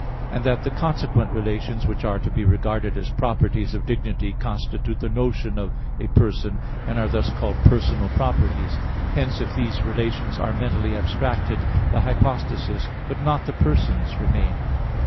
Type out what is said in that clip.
And that the consequent relations which are to be regarded as properties of dignity, constitute the notion of a person, and are thus called "personal properties." Hence, if these relations are mentally abstracted, the hypostasis, but not the persons, remain.